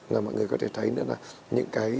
là mọi người có thể thấy nữa là những cái